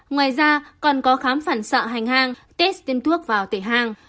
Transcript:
ngoài ra còn có khám phản sợ hành hàng test tiên thuốc vào tể hàng